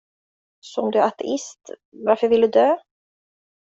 Så om du är ateist, varför vill du dö?